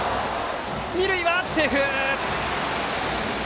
二塁はセーフ！